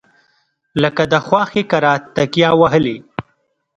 لکه د خواښې کره تکیه وهلې.